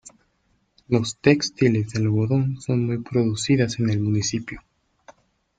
Los textiles de algodón son muy producidas en el municipio.